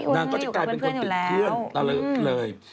นางก็จะกลายเป็นคนติดเพื่อนตลอดเลย